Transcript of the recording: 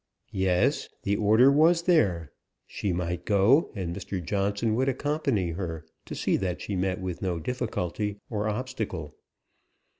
Yes, the order was there she might go, and Mr. Johnson would accompany her, to see that she met with no difficulty or obstacle.